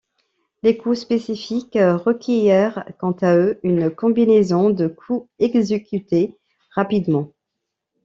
Les coups spécifiques requièrent quant à eux une combinaison de coup exécutée rapidement.